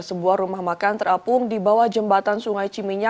sebuah rumah makan terapung di bawah jembatan sungai ciminya